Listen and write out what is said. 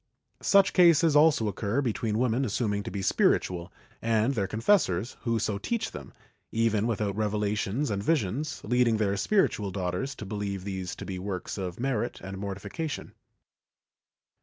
Such cases also occur between women assuming to be spiritual and their con fessors, who so teach them, even without revelations and visions, leading their spiritual daughters to believe these to be works of merit and mortification.